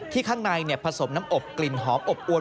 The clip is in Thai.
ข้างในผสมน้ำอบกลิ่นหอมอบอวน